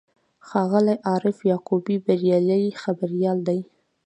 ښاغلی عارف یعقوبي بریالی خبریال دی.